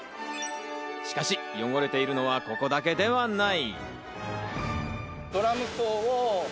しかし、汚れているのはここだけではない。